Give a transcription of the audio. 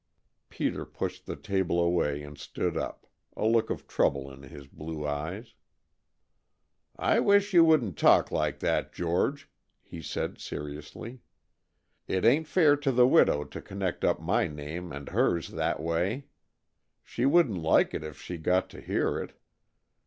Peter pushed the table away and stood up, a look of trouble in his blue eyes. "I wish you wouldn't talk like that, George," he said seriously. "It ain't fair to the widow to connect up my name and hers that way. She wouldn't like it if she got to hear it.